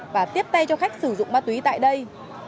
và tiếp tay cho khách sử dụng ma túy tại đây